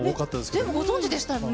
全部ご存じでしたよね。